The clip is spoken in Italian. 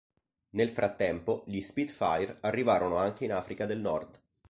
Nel frattempo gli Spitfire arrivarono anche in Africa del Nord.